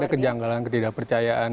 iya ada kejanggalan ketidakpercayaan